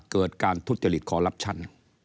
เกิดการทุจริตคอลลับชั่น